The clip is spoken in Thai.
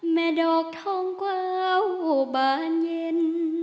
แม่ดอกทองเกาบานเย็น